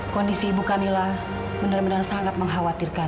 kondisi ibu camilla benar benar sangat mengkhawatirkan